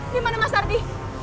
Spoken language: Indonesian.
di mana mas ardi